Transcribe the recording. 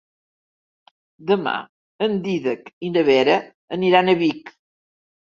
Demà en Dídac i na Vera aniran a Vic.